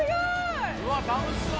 うわ楽しそう。